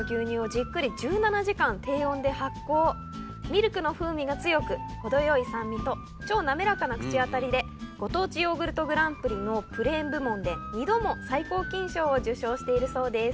ミルクの風味が強く程よい酸味と超滑らかな口当たりでご当地ヨーグルトグランプリのプレーン部門で２度も最高金賞を受賞しているそうです。